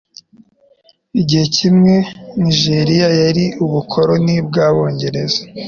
Igihe kimwe Nigeriya yari ubukoloni bwabongereza.